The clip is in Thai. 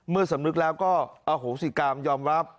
เมื่อสำนึกแล้วก็โอ้โหสิกามยอมรับ